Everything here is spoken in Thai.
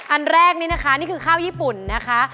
อันแรกนี่นะคะนี่คือข้าวญี่ปุ่นนะคะ